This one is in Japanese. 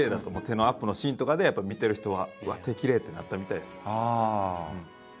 手のアップのシーンとかでやっぱり見てる人は「うわっ手きれい」ってなったみたいですよ。